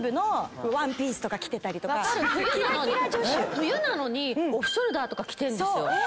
冬なのにオフショルダーとか着てんですよ。